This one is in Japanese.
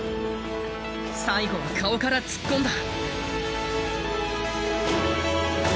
最後は顔から突っ込んだ。